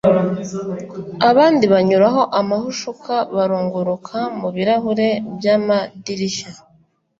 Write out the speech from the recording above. abandi banyuraho amahushuka barunguruka mu birahure by’amadirishya